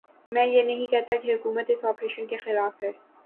میں یہ نہیں کہتا کہ حکومت اس آپریشن کے خلاف ہے۔